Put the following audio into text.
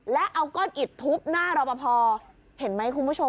และเอาก้อนอิดทุบหน้ารอปภเห็นไหมคุณผู้ชม